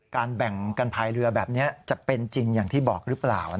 แบ่งกันภายเรือแบบนี้จะเป็นจริงอย่างที่บอกหรือเปล่า